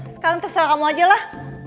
sekarang terserah kamu aja lah